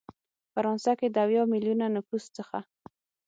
فرانسه کې د اویا ملیونه نفوس څخه